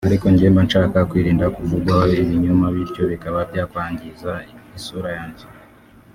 ariko njye mba nshaka kwirinda kuvugwaho ibinyoma bityo bikaba byakangiza isura yanjye